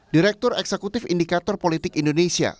direktur eksekutif indikator politik indonesia